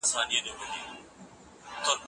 ایا پوهنتون ستا لارښود وټاکه؟